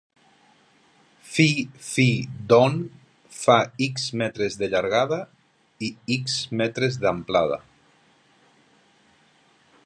Phi Phi Don fa x metres de llargada i x metres de amplada.